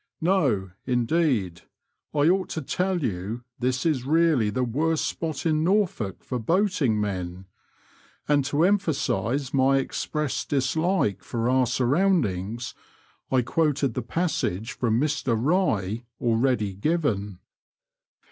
"No, indeed. I ought to tell you this is really the worst spot in Norfolk for boating men ;'* and to emphasise my expressed dislike for our surroundings, I quoted the passage from Mr Rye already given.